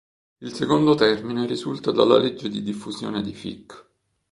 Il secondo termine risulta dalla legge di diffusione di Fick.